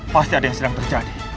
pasti ada yang sedang terjadi